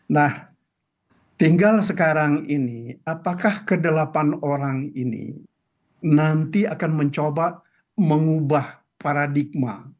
nah tinggal sekarang ini apakah kedelapan orang ini nanti akan mencoba mengubah paradigma